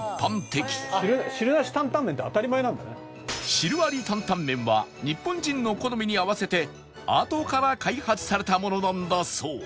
汁あり担々麺は日本人の好みに合わせてあとから開発されたものなんだそう